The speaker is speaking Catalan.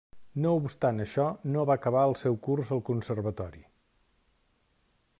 No obstant això, no va acabar el seu curs al Conservatori.